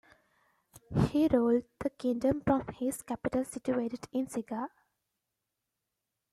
He ruled the kingdom from his capital situated in Siga.